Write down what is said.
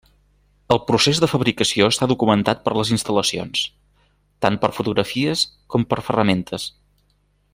El procés de fabricació està documentat per les instal·lacions, tant per fotografies, com per ferramentes.